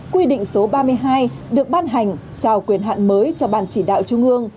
quy định số ba mươi hai được ban hành trao quyền hạn mới cho ban chỉ đạo trung ương